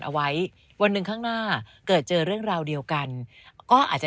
เอาไว้วันหนึ่งข้างหน้าเกิดเจอเรื่องราวเดียวกันก็อาจจะ